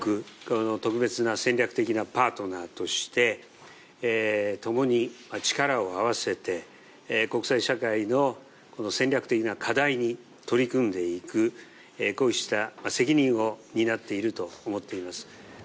特別な戦略的なパートナーとして共に力を合わせて国際社会の戦略的な課題に取り組んでいく、こうした責任を担っていると思っています。